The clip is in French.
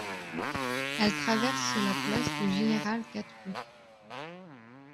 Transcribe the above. Elle traverse la place du Général-Catroux.